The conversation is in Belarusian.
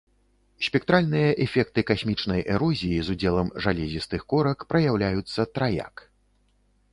Спектральныя эфекты касмічнай эрозіі, з удзелам жалезістых корак, праяўляюцца траяк.